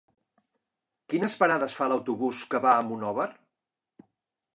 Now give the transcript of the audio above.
Quines parades fa l'autobús que va a Monòver?